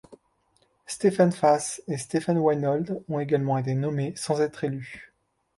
Steffen Fäth et Steffen Weinhold ont également été nommés sans être élus.